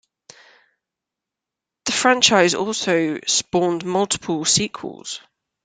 This franchise also spawned multiple sequels.